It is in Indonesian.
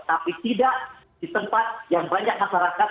tapi tidak di tempat yang banyak masyarakat